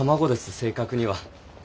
正確には。